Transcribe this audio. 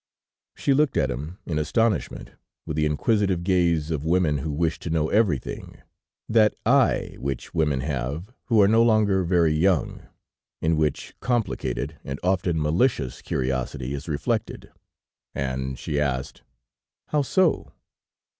She looked at him in astonishment, with the inquisitive gaze of women who wish to know everything, that eye which women have who are no longer very young, in which complicated, and often malicious curiosity is reflected, and she asked: "How so?"